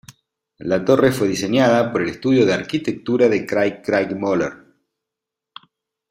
La torre fue diseñada por el estudio de arquitectura de Craig Craig Moller.